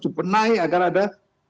dipenahi agar ada